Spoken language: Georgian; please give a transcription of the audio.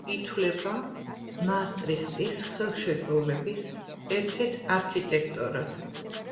ითვლება მაასტრიხტის ხელშეკრულების ერთ-ერთ არქიტექტორად.